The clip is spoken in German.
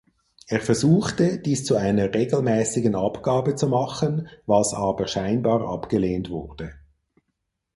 Er versuchte, dies zu einer regelmäßigen Abgabe zu machen, was aber scheinbar abgelehnt wurde.